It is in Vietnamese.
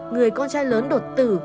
người con trai lớn đột tử